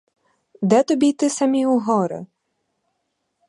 Де тобі йти самій у гори?